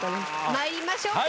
参りましょうか。